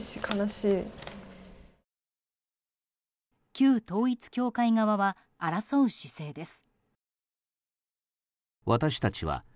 旧統一教会側は争う姿勢です。